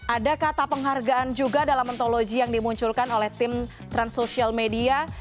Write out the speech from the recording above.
ada kata penghargaan juga dalam ontologi yang dimunculkan oleh tim transmedia sosial